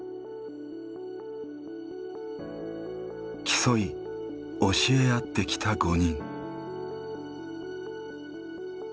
競い教え合ってきた５人。